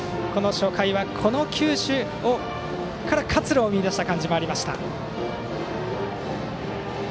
初回はこの球種から活路を見いだした感じもありました。